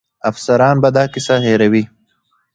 افسران به دا کیسه هېروي.